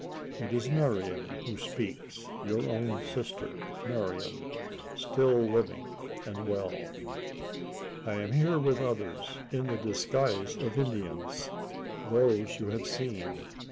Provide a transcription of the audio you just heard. It is Marian who speaks your own sister Marian still living and well. I am here with others in the disguise of Indians those you have seen.